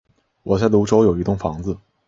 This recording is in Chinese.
我在芦洲有一栋房子